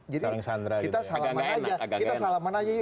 jadi kita salaman aja